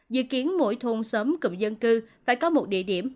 dự kiến mỗi thôn xóm cụm dân cư phải có một địa điểm